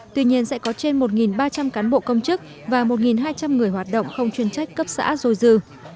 tuy nhiên sẽ có trên một ba trăm linh cán bộ công chức và một hai trăm linh người hoạt động không chuyên trách cấp xã dôi dư